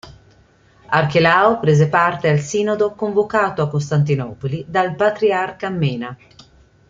Archelao prese parte al sinodo convocato a Costantinopoli dal patriarca Mena.